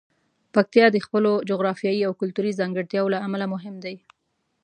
پکتیا د خپلو جغرافیايي او کلتوري ځانګړتیاوو له امله مهم دی.